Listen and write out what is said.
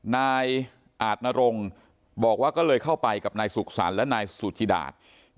นายอาจนรงค์บอกว่าก็เลยเข้าไปกับนายสุขสรรค์และนายสุจิดา